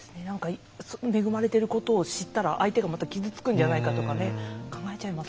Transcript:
恵まれていることを知ったら相手が傷つくんじゃないかとか考えちゃいますよね。